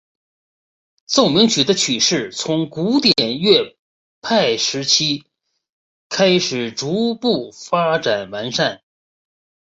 奏鸣曲的曲式从古典乐派时期开始逐步发展完善。